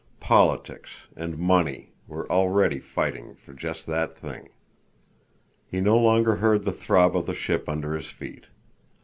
Politics—and money—were already fighting for just that thing. He no longer heard the throb of the ship under his feet.